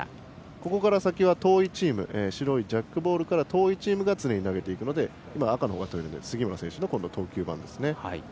ここから先は白いジャックボールから遠いチームが常に投げていくので今は赤のほうが遠いので杉村選手の投球です。